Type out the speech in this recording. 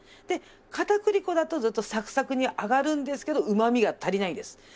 で片栗粉だとずっとサクサクに揚がるんですけどうまみが足りないんです。